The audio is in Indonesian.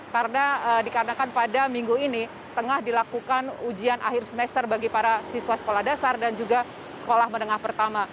karena dikarenakan pada minggu ini tengah dilakukan ujian akhir semester bagi para siswa sekolah dasar dan juga sekolah menengah pertama